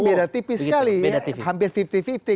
beda tipis sekali ya hampir lima puluh lima puluh